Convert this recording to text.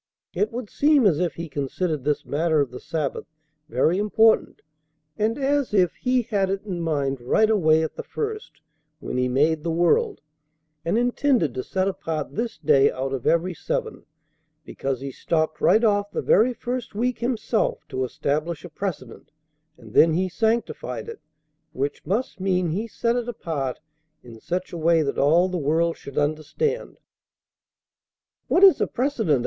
It would seem as if He considered this matter of the Sabbath very important, and as if He had it in mind right away at the first when He made the world, and intended to set apart this day out of every seven, because He stopped right off the very first week Himself to establish a precedent, and then He 'sanctified' it, which must mean He set it apart in such a way that all the world should understand." "What is a precedent?"